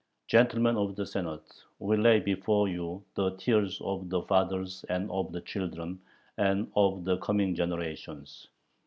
Gentlemen of the Senate, we lay before you the tears of the fathers and of the children and of the coming generations.